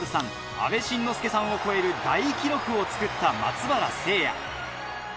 阿部慎之助さんを超える大記録をつくった松原聖弥